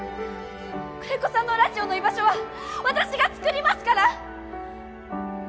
久連木さんのラジオの居場所は私が作りますから！